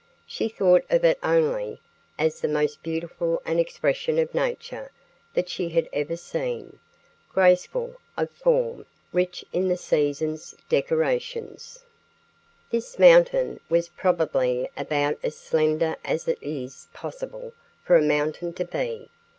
She thought of it only as the most beautiful expression of nature she had ever seen, graceful of form, rich in the seasons' decorations. This mountain was probably about as slender as it is possible for a mountain to be.